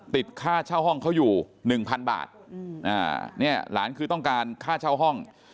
ติดค่าเช่าห้องเขาอยู่๑๐๐๐บาทหลานคือต้องการค่าเช่าห้อง